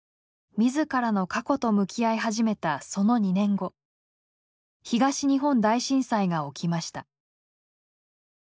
自らの過去と向き合い始めたその２年後東日本大震災が起きました。